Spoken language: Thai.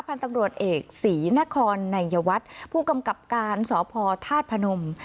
พันธุ์ตำรวจเอกศรีนครนายวัฒน์ผู้กำกับการสพธาตุพนม